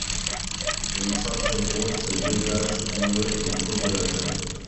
Une ceinture rose se détache, nouée autour de la taille.